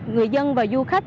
người dân và du khách